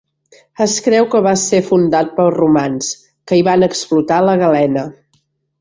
Es creu que va ser fundat pels romans, que hi van explotar la galena.